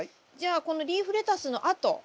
じゃあこのリーフレタスのあと。